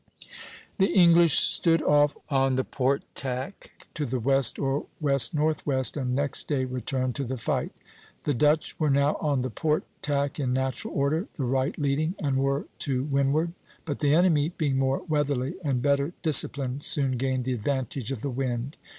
The English stood off on the port tack to the west or west northwest, and next day returned to the fight. The Dutch were now on the port tack in natural order, the right leading, and were to windward; but the enemy, being more weatherly and better disciplined, soon gained the advantage of the wind.